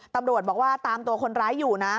ตำรวจบอกว่าตามตัวคนร้ายอยู่นะ